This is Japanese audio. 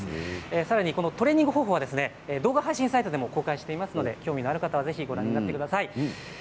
さらにトレーニング方法は動画配信サイトでも公開していますので興味のある方はご覧ください。